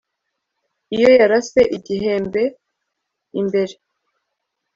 iyo yarase igihembe imbere